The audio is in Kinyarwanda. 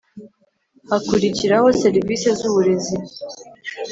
hakurikiraho serivisi z uburezi